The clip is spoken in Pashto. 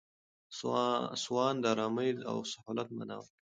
سوان د آرامۍ او سهولت مانا ورکوي.